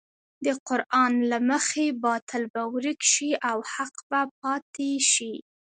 د قران له مخې باطل به ورک شي او حق به پاتې شي.